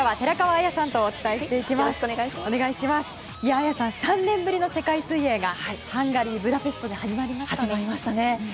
綾さん、３年ぶりの世界水泳がハンガリー・ブダペストで始まりましたね。